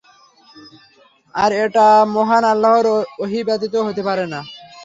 আর এটা মহান আল্লাহর ওহী ব্যতীত হতে পারে না।